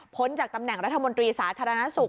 จากตำแหน่งรัฐมนตรีสาธารณสุข